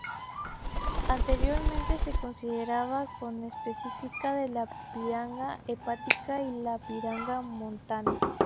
Anteriormente se consideraba conespecífica de la piranga hepática y la piranga montana.